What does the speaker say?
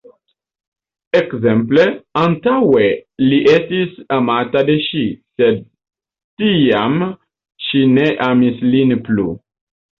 Ekz: Antaŭe li estis amata de ŝi, sed tiam ŝi ne amis lin plu.